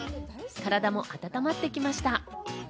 体も温まってきました。